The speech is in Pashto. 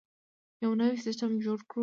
یو نوی سیستم جوړ کړو.